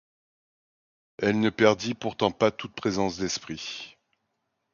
Elle ne perdit pourtant pas toute présence d'esprit.